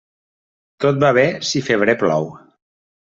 Tot va bé, si febrer plou.